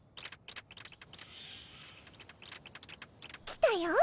来たよ。